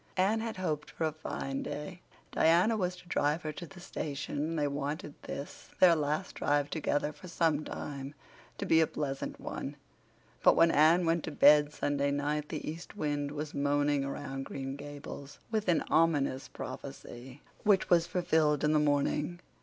Anne had hoped for a fine day. Diana was to drive her to the station and they wanted this, their last drive together for some time, to be a pleasant one. But when Anne went to bed Sunday night the east wind was moaning around Green Gables with an ominous prophecy which was fulfilled in the morning.